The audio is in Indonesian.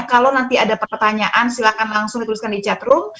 kalau nanti ada pertanyaan silahkan langsung dituliskan di chatroom